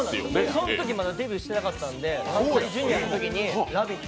そのときまだデビューしてなかったので、ジュニアのときに「ラヴィット！」